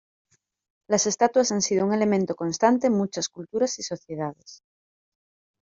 Las estatuas han sido un elemento constante en muchas culturas y sociedades.